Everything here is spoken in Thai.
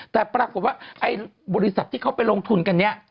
แต่ปรากฏว่าไอ้บริษัทที่เขาไปลงทุนกันเนี่ย